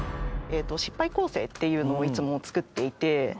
失敗構成っていうのをいつも作っていて。